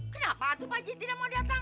kenapa itu pak haji tidak mau datang